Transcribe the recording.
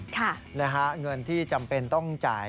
เงินที่จำเป็นต้องจ่าย